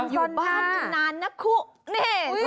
อยู่บ้านนานนะครุนี่